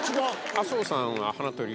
麻生さんは。